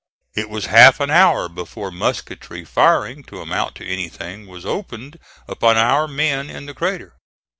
It was half an hour before musketry firing, to amount to anything, was opened upon our men in the crater.